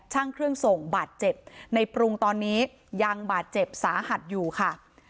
ช่างเครื่องส่งบาดเจ็บในปรุงตอนนี้ยังบาดเจ็บสาหัสอยู่ค่ะ